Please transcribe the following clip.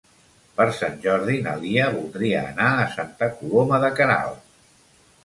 Per Sant Jordi na Lia voldria anar a Santa Coloma de Queralt.